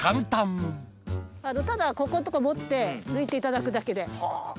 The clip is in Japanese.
ただこことか持って抜いていただくだけで。